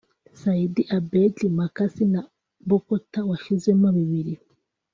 Saidi Abed Makasi na Bokota washyizemo bibiri